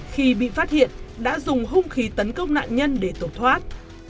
khi bị phát hiện đã dùng hung khí tấn công nạn nhân để tẩu thoát